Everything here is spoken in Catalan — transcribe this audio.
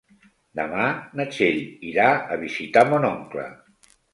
Demà na Txell irà a visitar mon oncle.